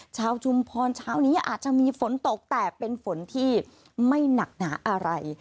ชุมพรเช้านี้อาจจะมีฝนตกแต่เป็นฝนที่ไม่หนักหนาอะไร